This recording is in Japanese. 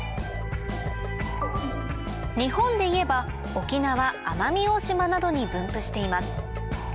日本でいえば沖縄奄美大島などに分布しています